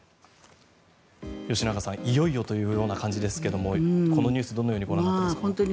吉永さん、いよいよというような感じですけどもこのニュース、どのようにご覧になっていますか。